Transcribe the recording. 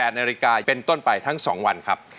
๘นาฬิกาเป็นต้นไปทั้ง๒วันครับ